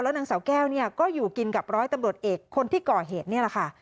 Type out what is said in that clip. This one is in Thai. นางสาวแก้วเนี่ยก็อยู่กินกับร้อยตำรวจเอกคนที่ก่อเหตุนี่แหละค่ะ